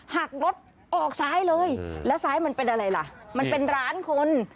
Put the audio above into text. หักรถออกซ้ายเลยแล้วซ้ายมันเป็นอะไรล่ะมันเป็นร้านคน